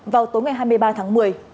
vào tối ngày hai mươi ba tháng một mươi